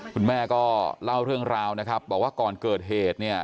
คุณแม่ก็เล่าเรื่องราวนะครับบอกว่าก่อนเกิดเหตุเนี่ย